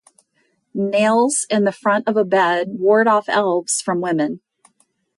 Nails in the front of a bed ward off elves from women.